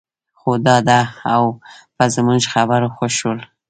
خو ډاډه او په زموږ خبرو خوښ شول.